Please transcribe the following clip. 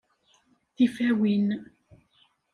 Tifawin!